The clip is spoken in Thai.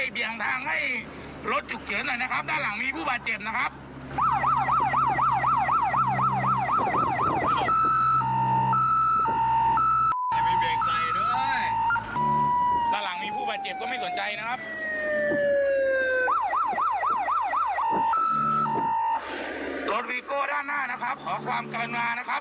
วีโก้ด้านหน้านะครับขอความกรุณานะครับ